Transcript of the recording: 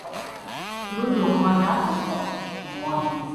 Kirungi okumanya ebifa ku muwandiisi.